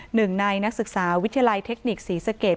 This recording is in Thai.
หนึ่งในนักศึกษาวิทยาลัยเทคนิคศรีสเกต